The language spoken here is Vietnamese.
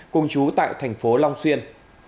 cùng chú tại thành phố long xuyên